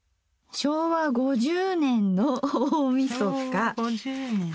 昭和５０年の大みそか。